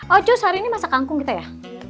oh cus hari ini masak kangkung kita ya